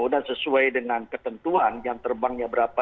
dan sesuai dengan ketentuan jam terbangnya berapa